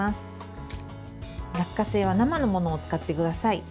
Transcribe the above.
落花生は生のものを使ってください。